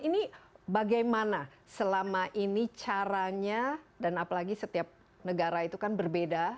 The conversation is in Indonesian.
ini bagaimana selama ini caranya dan apalagi setiap negara itu kan berbeda